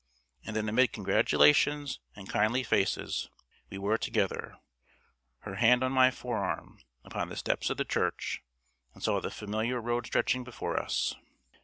And then amid congratulations and kindly faces, we were together, her hand on my forearm, upon the steps of the church, and saw the familiar road stretching before us.